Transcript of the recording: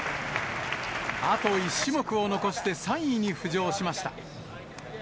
あと１種目を残して３位に浮上しました。